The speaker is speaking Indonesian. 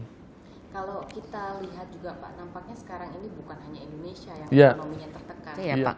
kalau kita lihat juga pak nampaknya sekarang ini bukan hanya indonesia yang ekonominya tertekan